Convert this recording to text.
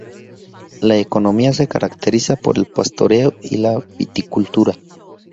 La economía se caracteriza por el pastoreo y la viticultura.